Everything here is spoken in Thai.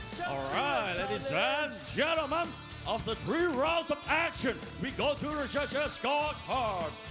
เจ้าเชียมใหญ่ท่านครูนะครับตรงนี้เราจะไปมุมการเท่าไหร่ที่๓ครอง